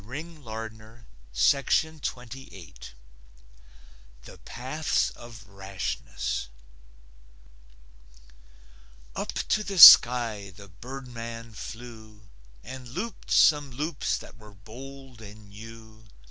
THE PATHS OF RASHNESS Up to the sky the birdman flew And looped some loops that were bold and new.